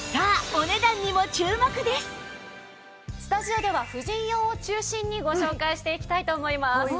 さあスタジオでは婦人用を中心にご紹介していきたいと思います。